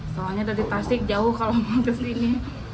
soalnya dari tasik jauh kalau mau ke sini